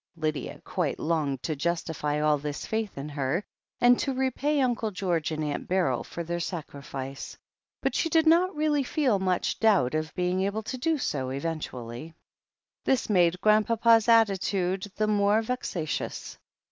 Lydia quite longed to justify all this faith in her, and to repay Uncle George and Aunt Beryl for their sacrifice. But she did not really feel much doubt of being able to do so eventually. This made Grandpapa's attitude the more vexatious.